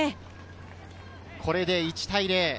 これで１対０。